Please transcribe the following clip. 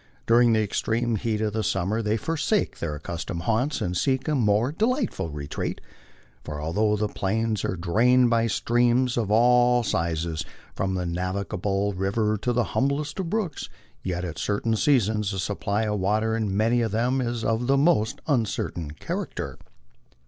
During the extreme heat of the summer they forsake their accustomed haunts and seek a more delightful retreat. For, although the Plains are drained by streams of all sizes, from the navigable river to the humblest of brooks, yet at certain seasons the supply of water in many of them is of the most uncertain character.